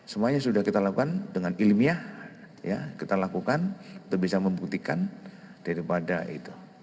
semuanya sudah kita lakukan dengan ilmiah kita lakukan untuk bisa membuktikan daripada itu